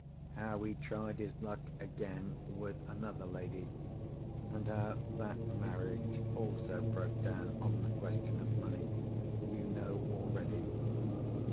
How he tried his luck again with another lady, and how that marriage also broke down on the question of money, you know already.